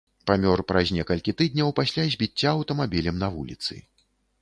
Памёр праз некалькі тыдняў пасля збіцця аўтамабілем на вуліцы.